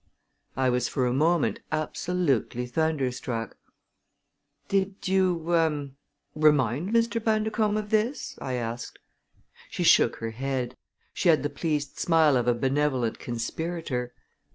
I was for a moment absolutely thunderstruck. "Did you er remind Mr. Bundercombe of this?" I asked. She shook her head. She had the pleased smile of a benevolent conspirator.